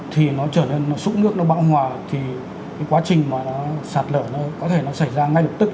thì nó trở nên súng nước nó bão hòa thì cái quá trình mà sạt lở nó có thể nó xảy ra ngay lập tức